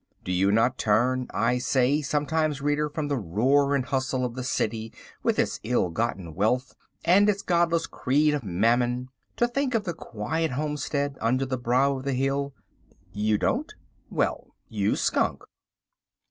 Do you not turn, I say, sometimes, reader, from the roar and hustle of the city with its ill gotten wealth and its godless creed of mammon, to think of the quiet homestead under the brow of the hill? You don't! Well, you skunk!